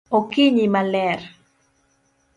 Okinyi maler